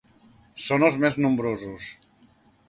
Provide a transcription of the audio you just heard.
Són els més nombrosos.